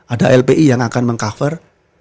ada lpi yang akan meng cover